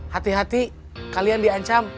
hati hati kalian diancam